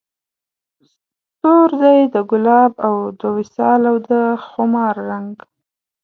سور دی د ګلاب او د وصال او د خمار رنګ